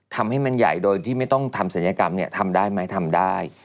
ทำให้มันใหญ่โดยที่ไม่ต้องทำศัลยกรรมทำได้ไหมทำได้